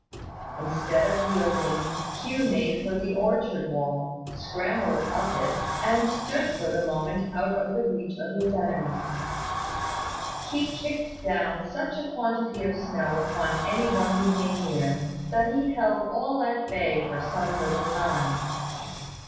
Instead of yielding, Hugh made for the orchard wall, scrambled up it, and stood for the moment out of the reach of his enemies. He kicked down such a quantity of snow upon any one who came near, that he held all at bay for some little time.